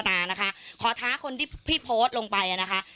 มานะคะขอท้าคนที่พี่โพสต์ลงไปอ่ะนะคะ